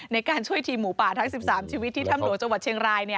ในการช่วยทีมหมูป่าทั้ง๑๓ชีวิตที่ถ้ำหลวงจังหวัดเชียงราย